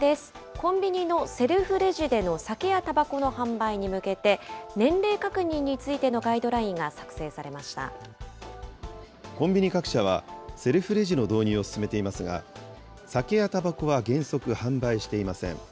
コンビニのセルフレジでの酒やたばこの販売に向けて、年齢確認についてのガイドラインが作成されコンビニ各社は、セルフレジの導入を進めていますが、酒やたばこは原則販売していません。